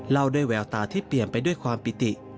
เล่าด้วยแววตาที่เปลี่ยนไปด้วยความปิติ